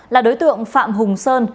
là đối tượng phạm hùng sơn